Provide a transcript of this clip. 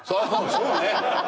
そうね！